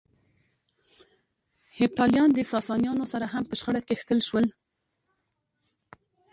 هېپتاليان د ساسانيانو سره هم په شخړه کې ښکېل شول.